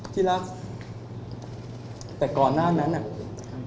ที่รักแต่ก่อนหน้านั้นน่ะ